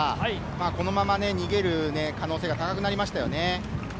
このまま逃げる可能性が高くなりましたね。